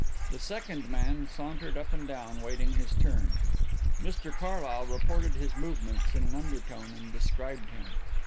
The second man sauntered up and down, waiting his turn. Mr Carlyle reported his movements in an undertone and described him.